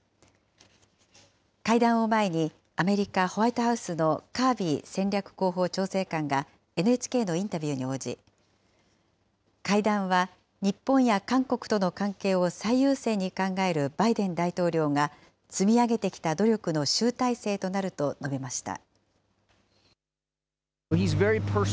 会談を前に、アメリカ・ホワイトハウスのカービー戦略広報調整官がＮＨＫのインタビューに応じ、会談は日本や韓国との関係を最優先に考えるバイデン大統領が、積み上げてきた努力の集大成となると述べました。